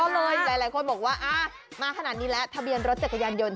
ก็เลยหลายคนบอกว่ามาขนาดนี้แล้วทะเบียนรถจักรยานยนต